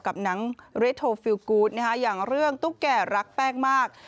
กับหนังเรโทฟิลกูธอย่างเรื่องตุ๊กแก่รักแป้งมาก